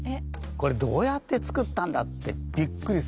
これどうやって作ったんだってびっくりする。